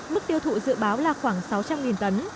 mức tiêu thụ dự báo là khoảng sáu trăm linh tấn